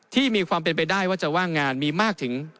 มีความเป็นไปได้ว่าจะว่างงานมีมากถึง